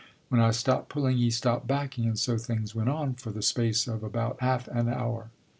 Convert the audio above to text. When I stopped pulling he stopped backing, and so things went on for the space of about half an hour.